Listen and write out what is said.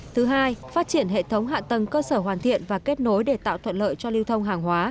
thứ hai phát triển hệ thống hạ tầng cơ sở hoàn thiện và kết nối để tạo thuận lợi cho lưu thông hàng hóa